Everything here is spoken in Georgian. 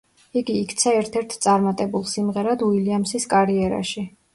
იგი იქცა ერთ-ერთ წარმატებულ სიმღერად უილიამსის კარიერაში.